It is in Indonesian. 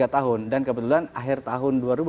tiga tahun dan kebetulan akhir tahun